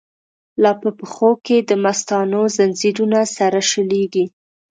لا په پښو کی دمستانو، ځنځیرونه سره شلیږی